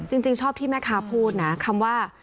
จริงชอบที่แม่ค้าพูดนะคำว่า